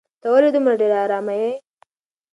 ته ولې دومره ډېره ارامه یې؟